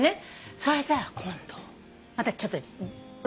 それで今度またちょっと。